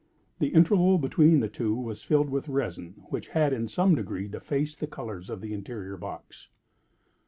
The interval between the two was filled with resin, which had, in some degree, defaced the colors of the interior box.